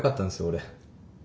俺。